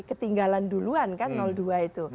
ketinggalan duluan kan dua itu